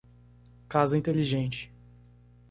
Casa inteligente.